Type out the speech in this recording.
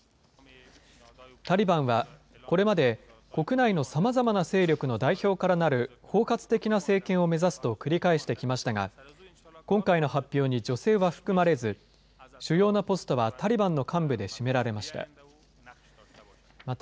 タリバンはこれまで、国内のさまざまな勢力の代表からなる、包括的な政権を目指すと繰り返してきましたが、今回の発表に女性は含まれず、主要なポストはタリバンの幹部で占められました。